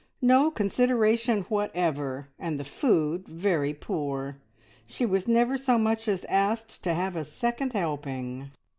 No consideration whatever, and the food very poor. She was never so much as asked to have a second helping!